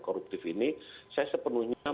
produktif ini saya sepenuhnya